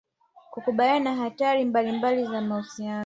Kukabiliana na hatari mbalimbali na mahusiano